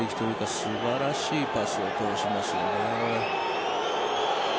素晴らしいパスを通しますよね。